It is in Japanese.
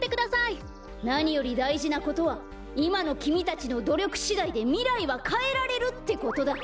なによりだいじなことはいまのきみたちのどりょくしだいでみらいはかえられるってことだ。